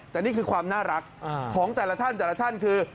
แต่นี่คือความน่ารักของแต่ละท่านแต่ละท่านคือ